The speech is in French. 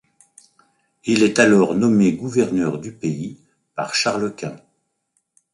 Il est alors nommé gouverneur du pays par Charles Quint.